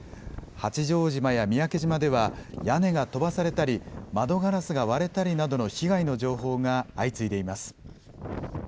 八丈島や三宅島では屋根が飛ばされたり窓ガラスが割れたりなどの被害の情報が相次いでいます。